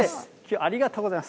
ありがとうございます。